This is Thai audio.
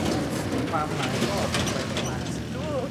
ความหมายก็ตรงไปตรงมา